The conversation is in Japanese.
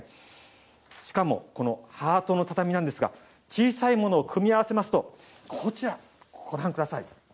しかもこのハートの畳なんですが小さいものを組み合わせますとこちらご覧下さい。